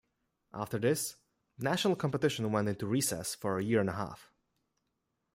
After this, national competition went into recess for a year and a half.